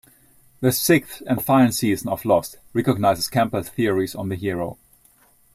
The sixth and final season of "Lost" recognizes Campbell's theories on the hero.